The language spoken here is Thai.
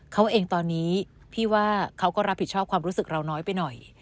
เขาเองตอนนี้พี่ว่าเขาก็รับผิดชอบความรู้สึกเราน้อยไปหน่อย